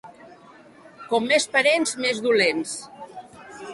Com més parents, més dolents.